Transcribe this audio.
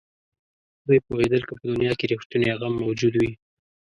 دوی پوهېدل که په دنیا کې رښتونی غم موجود وي.